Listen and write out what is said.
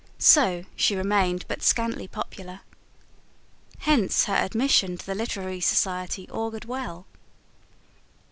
So she remained but scantly popular. Hence, her admission to the Literary Society augured well.